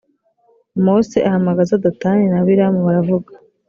mose ahamagaza datani na abiramu baravuga